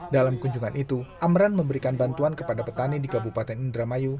dalam kunjungan itu amran memberikan bantuan kepada petani di kabupaten indramayu